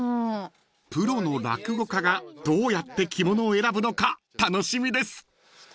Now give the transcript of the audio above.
［プロの落語家がどうやって着物を選ぶのか楽しみです］